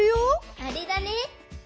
あれだね！